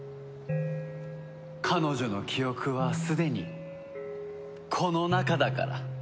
彼女の記憶はすでにこの中だから。